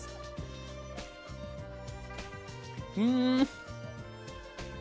うん！